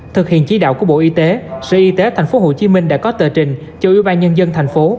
thực hiện chỉ đạo của bộ y tế sở y tế tp hcm đã có tờ trình cho ủy ban nhân dân thành phố